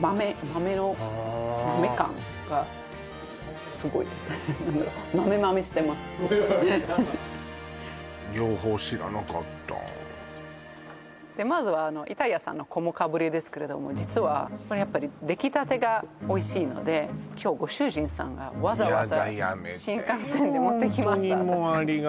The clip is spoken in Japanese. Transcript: マメマメしてますか両方知らなかったまずは板屋さんのこもかぶりですけれども実はこれやっぱり出来たてがおいしいので今日ご主人さんがわざわざ新幹線で持ってきましたヤダやめてよ